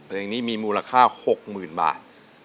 เพลงนี้มีมูลค่า๖๐๐๐บาท